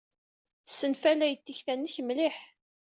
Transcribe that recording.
Ssenfalay-d tikta-nnek mliḥ.